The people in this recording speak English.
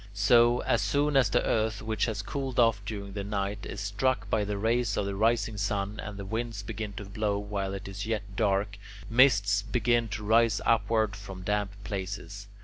So, as soon as the earth, which has cooled off during the night, is struck by the rays of the rising sun, and the winds begin to blow while it is yet dark, mists begin to rise upward from damp places.